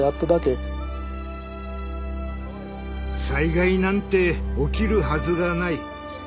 災害なんて起きるはずがない。